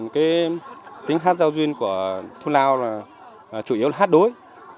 cái tính hát giao duyên của thu lào là chủ yếu là hát đối